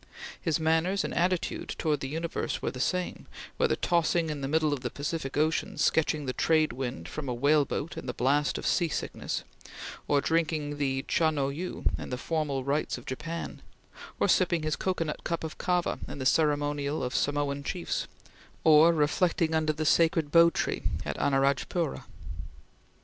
His manners and attitude towards the universe were the same, whether tossing in the middle of the Pacific Ocean sketching the trade wind from a whale boat in the blast of sea sickness, or drinking the cha no yu in the formal rites of Japan, or sipping his cocoanut cup of kava in the ceremonial of Samoan chiefs, or reflecting under the sacred bo tree at Anaradjpura.